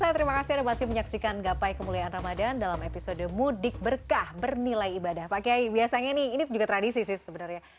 pemirsa terima kasih ada masih menyaksikan gapai kemuliaan ramadhan dalam episode mudik berkah bernilai ibadah pakai biasanya ini juga tradisi sih sebenarnya